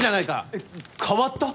えっ変わった？